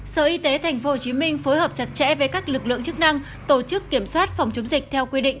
sở y tế tp hcm phối hợp chặt chẽ với các lực lượng chức năng tổ chức kiểm soát phòng chống dịch theo quy định